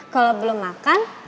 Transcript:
kalo belum makan